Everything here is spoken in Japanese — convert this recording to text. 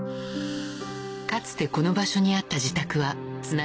かつてこの場所にあった。